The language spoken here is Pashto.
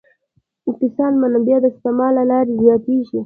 اقتصادي منابع د سپما له لارې زیاتیږي.